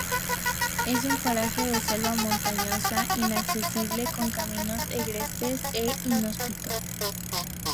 Es un paraje de selva montañosa, inaccesible, con caminos agrestes e inhóspito.